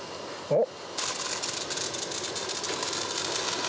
おっ。